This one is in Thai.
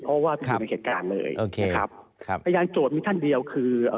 เพราะว่าอยู่ในเหตุการณ์เลยนะครับพยานโจทย์มีท่านเดียวคือ